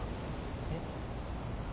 えっ？